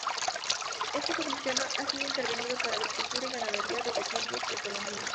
Este ecosistema ha sido intervenido para agricultura y ganadería desde tiempos precolombinos.